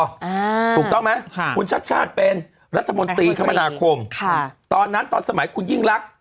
ถูกต้องไหมค่ะคุณชัดชาติเป็นรัฐมนตรีคมนาคมค่ะตอนนั้นตอนสมัยคุณยิ่งรัก